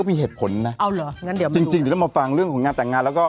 อะไรนะอ๋อดราม่าออนไลน์เขาบอกว่าเรื่องงานแต่งงาน